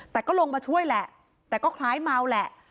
แต่ก็ลงมาช่วยแหละแต่ก็คล้ายเมาแหละ